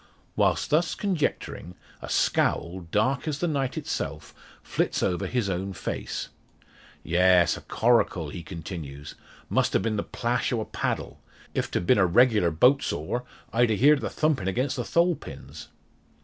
While thus conjecturing, a scowl, dark as the night itself, flits over his own face. "Yes; a coracle!" he continues; "must 'a been the plash o' a paddle. If't had been a regular boat's oar I'd a heerd the thumpin' against the thole pins."